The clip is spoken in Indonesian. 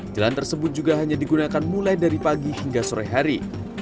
jalan tersebut juga hanya digunakan mulai dari pagi hingga sore hari